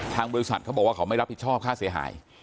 ทางบริษัทเขาบอกว่าเขาไม่รับผิดชอบค่าเสียหาย